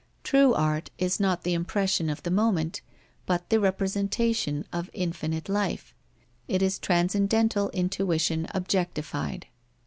True art is not the impression of the moment, but the representation of infinite life: it is transcendental intuition objectified.